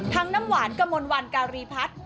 ทั้งน้ำหวานกับมนต์วันการีพัฒน์